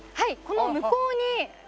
この向こうに見に。